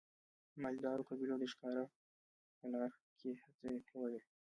مالدارو قبیلو د ښکار په لاره کې هڅې کولې.